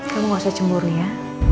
kamu gak usah cemburu ya